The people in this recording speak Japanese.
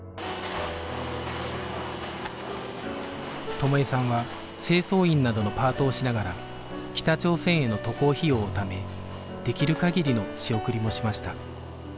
友枝さんは清掃員などのパートをしながら北朝鮮への渡航費用をためできる限りの仕送りもしました